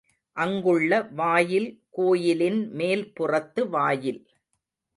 அங்குள்ள வாயில் கோயிலின் மேல்புறத்து வாயில்.